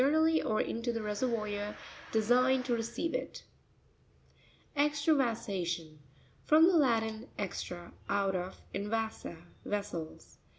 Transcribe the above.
nally or into the reseryoir designed to receive it. Exrravasa'tion.—From the Latin, extra, out of, and vasa, vessels.